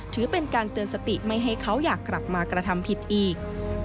ถือเป็นการเตือนสติไม่ให้เขาอยากกลับมากระทำผิดอีก